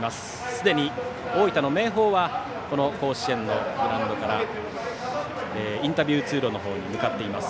すでに大分の明豊は甲子園のグラウンドからインタビュー通路に向かっています。